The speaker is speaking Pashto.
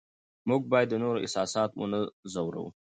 موږ باید د نورو احساسات ونه ځورو